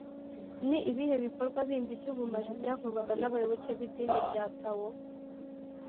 ni ibihe bikorwa bindi by’ubumaji byakorwaga n’abayoboke b’idini rya tao?